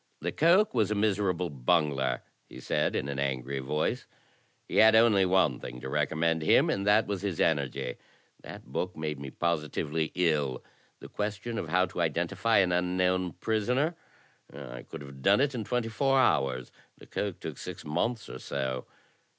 "Lecoq was a miserable bungler," he said, in an angry vodce; "he had only one thing to recommend him, and that was his energy. That book made me positively ill. The question was how to identi fy an unknown prisoner. I could have done it in twenty four hours. Lecoq took six months or so.